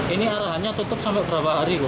ini arahannya tutup sampai berapa hari kok